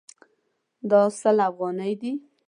دا سل افغانۍ دي